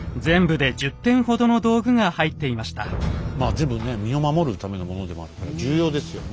全部身を守るためのものでもあるから重要ですよね。